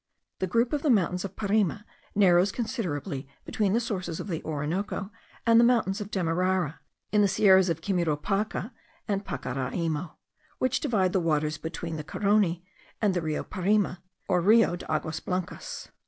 The group of the mountains of Parime narrows considerably between the sources of the Orinoco and the mountains of Demerara, in the Sierras of Quimiropaca and Pacaraimo, which divide the waters between the Carony and the Rio Parime, or Rio de Aguas Blancas.